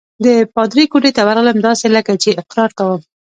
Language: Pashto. د پادري کوټې ته ورغلم، داسې لکه زه چې اقرار کوم.